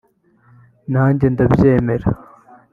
Nanjye ndabyemeye